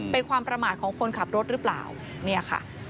เป็นความประมาทของคนขับรถหรือเปล่าเนี่ยค่ะ